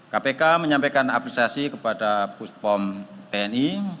kpk menyampaikan apresiasi kepada puspo mabes lni